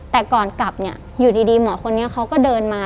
แต่ก่อนกลับเนี่ยอยู่ดีหมอคนนี้เขาก็เดินมา